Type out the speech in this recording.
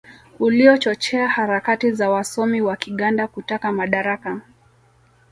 uliochochea harakati za wasomi wa Kiganda kutaka madaraka